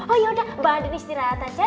oh yaudah mbak adi ini istirahat aja